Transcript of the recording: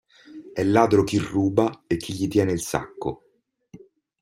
E' ladro chi ruba e chi gli tiene il sacco.